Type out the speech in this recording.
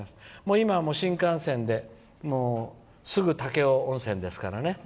今、新幹線ですぐ武雄温泉ですからね。